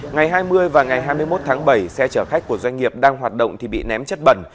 ngày hai mươi và ngày hai mươi một tháng bảy xe chở khách của doanh nghiệp đang hoạt động thì bị ném chất bẩn